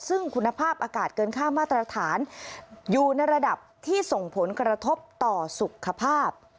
ซึ่งคุณภาพอากาศเกินค่ามาตรฐานอยู่ในระดับที่ส่งผลกระทบต่อสุขภาพ